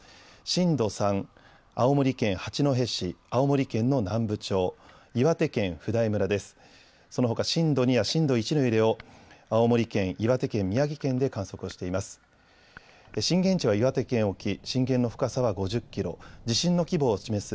震度３、青森県八戸市、青森県の南部町、岩手県普代村です。